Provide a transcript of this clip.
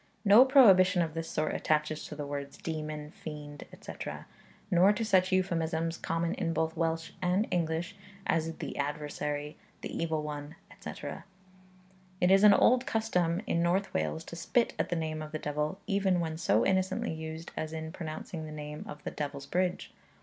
No prohibition of this sort attaches to the words demon, fiend, etc., nor to such euphemisms, common in both Welsh and English, as the adversary, the evil one, etc. It is an old custom in North Wales to spit at the name of the devil, even when so innocently used as in pronouncing the name of the Devil's Bridge.